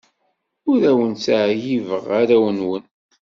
Ur awen-ttɛeyyibeɣ arraw-nwen.